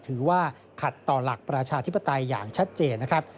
ถือว่าขัดต่อหลักประชาธิปไตยอย่างชัดเจนนะครับ